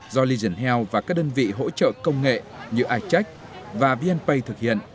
do legion health và các đơn vị hỗ trợ công nghệ như icheck và bnpay thực hiện